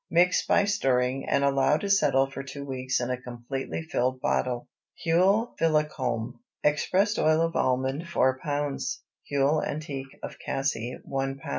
Mix by stirring, and allow to settle for two weeks in a completely filled bottle. HUILE PHILOCOME. Expressed oil of almond 4 lb. Huile antique of cassie 1 lb.